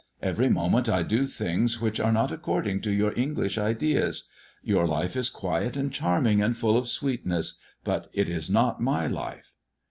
Every moment I do things which are not according to your English ideas. Your life is quiet and charming and full of sweetness, but it is not my life."